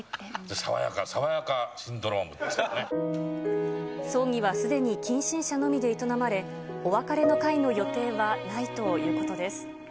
爽やか、爽やかシンドロームっていうんで葬儀はすでに近親者のみで営まれ、お別れの会の予定はないということです。